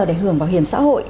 để hưởng bảo hiểm xã hội